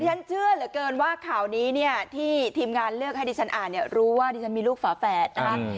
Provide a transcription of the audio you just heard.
ฉันเชื่อเหลือเกินว่าข่าวนี้เนี่ยที่ทีมงานเลือกให้ดิฉันอ่านเนี่ยรู้ว่าดิฉันมีลูกฝาแฝดนะคะ